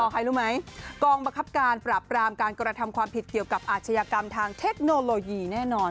ใครรู้ไหมกองบังคับการปราบปรามการกระทำความผิดเกี่ยวกับอาชญากรรมทางเทคโนโลยีแน่นอน